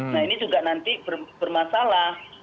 nah ini juga nanti bermasalah